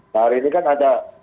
nah hari ini kan ada